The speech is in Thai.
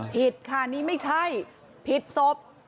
ผิดค่ะนี่ไม่ใช่ผิดศพ